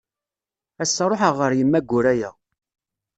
Ass-a ruḥeɣ ɣer Yemma Guraya.